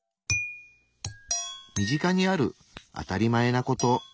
身近にある「あたりまえ」なこと。